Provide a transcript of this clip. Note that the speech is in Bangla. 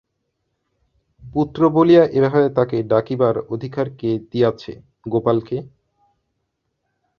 পুত্র বলিয়া এভাবে তাকে ডাকিবার অধিকার কে দিয়াছে গোপালকে?